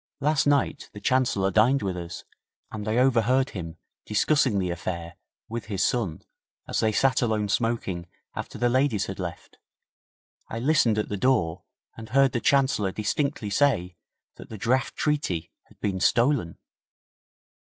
'Last night the Chancellor dined with us, and I overheard him discussing the affair with his son as they sat alone smoking after the ladies had left. I listened at the door and heard the Chancellor distinctly say that the draft treaty had been stolen.'